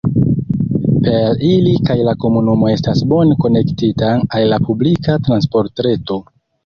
Per ili kaj la komunumo estas bone konektita al la publika transportreto.